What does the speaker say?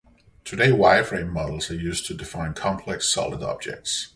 Today, wireframe models are used to define complex solid objects.